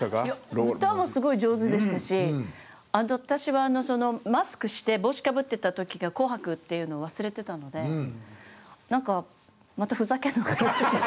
歌もすごい上手でしたし私はマスクして帽子かぶってた時が「紅白」っていうのを忘れてたので何かまたふざけんのかなって一瞬思った。